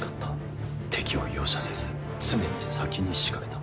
敵を容赦せず常に先に仕掛けた。